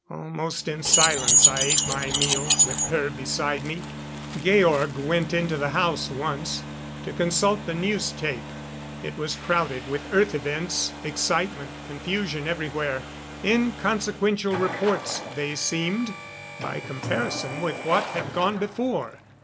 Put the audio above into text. Almost in silence I ate my meal, with her beside me. Georg went into the house once, to consult the news tape. It was crowded with Earth events excitement, confusion everywhere inconsequential reports, they seemed, by comparison with what had gone before.